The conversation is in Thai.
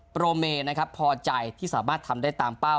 โปรโมพอใจที่สามารถทำได้ตามเป้า